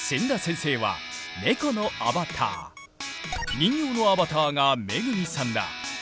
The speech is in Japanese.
人形のアバターが恵さんだ。